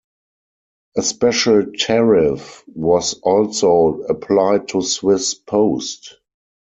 A special tariff was also applied to Swiss Post.